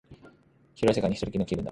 広い世界に一人きりの気分だ